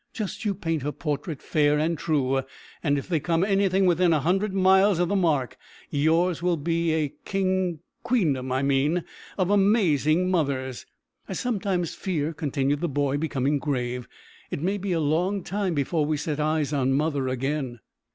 "Just you paint her portrait fair and true, and if they come anything within a hundred miles o' the mark yours will be a kingd queendom, I mean of amazin' mothers. I sometimes fear," continued the boy, becoming grave, "it may be a long time before we set eyes on mother again."